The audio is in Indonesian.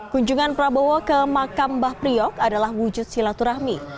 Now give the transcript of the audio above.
kunjungan prabowo ke makam mbah priok adalah wujud silaturahmi